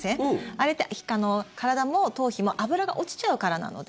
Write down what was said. あれって体も頭皮も脂が落ちちゃうからなので。